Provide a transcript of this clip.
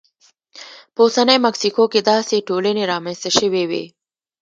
په اوسنۍ مکسیکو کې داسې ټولنې رامنځته شوې وې